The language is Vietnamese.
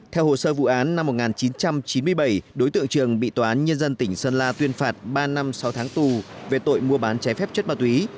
theo hồ sơ vụ án năm một nghìn chín trăm chín mươi bảy đối tượng trường bị tòa án nhân dân tỉnh sơn la tuyên phạt ba năm sáu tháng tù về tội mua bán trái phép chất ma túy